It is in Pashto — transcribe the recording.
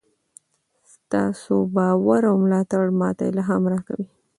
ستاسو باور او ملاتړ ماته الهام راکوي.